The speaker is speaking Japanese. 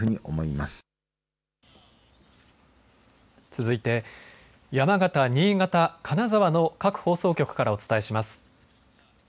続いて山形、新潟、金沢の各放送局からお伝えします。